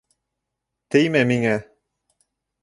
Теймә миңә!